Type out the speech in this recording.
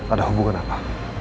ada hubungan apa